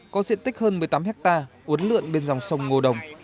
có diện tích hơn một mươi tám hectare uốn lượn bên dòng sông ngô đồng